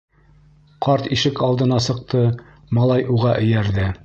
Ҡарт ишек алдына сыҡты, малай уға эйәрҙе.